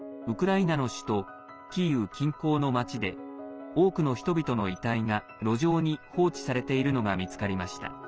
ウクライナの首都キーウ近郊の町で多くの人々の遺体が路上に放置されているのが見つかりました。